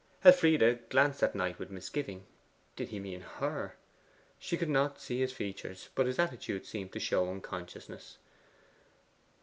Elfride glanced at Knight with misgiving. Did he mean her? She could not see his features; but his attitude seemed to show unconsciousness.